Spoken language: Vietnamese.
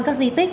các di tích